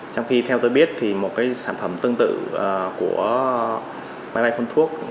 trong khi theo tôi biết thì một cái sản phẩm tương tự của máy bay phun thuốc